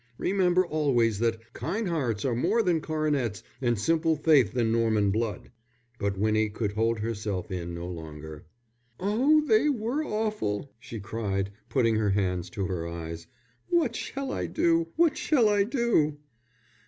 Remember always that 'kind hearts are more than coronets and simple faith than Norman blood.'" But Winnie could hold herself in no longer. "Oh, they were awful," she cried, putting her hands to her eyes. "What shall I do? What shall I do?"